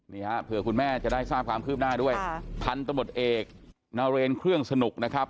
นี่ฮะเผื่อคุณแม่จะได้ทราบความคืบหน้าด้วยค่ะพันธบทเอกนาเรนเครื่องสนุกนะครับ